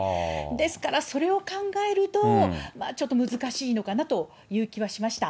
ですから、それを考えると、まあちょっと難しいのかなという気はしました。